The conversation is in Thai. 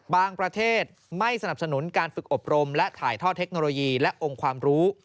ประเทศไม่สนับสนุนการฝึกอบรมและถ่ายท่อเทคโนโลยีและองค์ความรู้